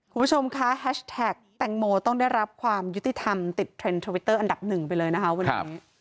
คุณผู้ชมคะแฮชแท็กแตงโมต้องได้รับความยุติธรรมติดเทรนด์ทวิตเตอร์อันดับหนึ่งไปเลยนะคะวันนี้